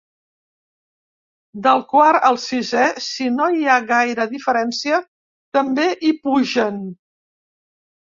Del quart al sisè, si no hi ha gaire diferència, també hi pugen.